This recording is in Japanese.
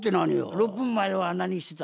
６分前は何してた？